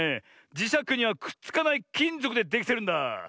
じしゃくにはくっつかないきんぞくでできてるんだ。